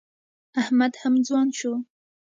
احمد هم ځوان شو.